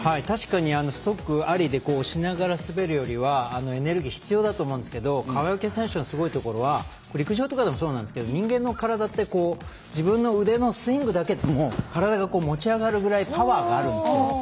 確かにストックありで押しながら滑るよりはエネルギー必要だと思うんですけど川除選手がすごいところは陸上でもそうなんですけど人間の体って自分の腕のスイングだけでも体が持ち上がるくらいパワーがあるんですよ。